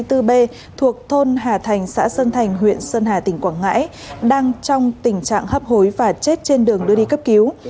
thuộc thôn hà thành xã sơn thành huyện sơn hà tỉnh quảng ngãi đang trong tình trạng hấp hối và chết trên đường đưa đi cấp cứu